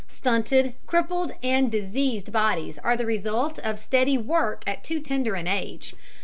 Stunted, crippled, and diseased bodies are the result of steady work at too tender an age.